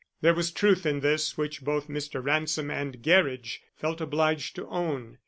There was truth in this which both Mr. Ransom and Gerridge felt obliged to own.